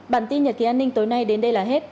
bản tin nhật ký an ninh tối nay đến đây là hết